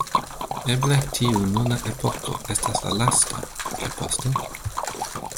Eble tiu nuna epoko estas la lasta, kaj poste?